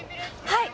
はい！